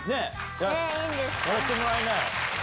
やってもらいなよ。